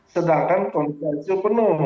sedangkan kondisi icu penuh